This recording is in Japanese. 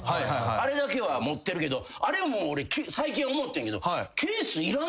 あれだけは持ってるけどあれも俺最近思ってんけど。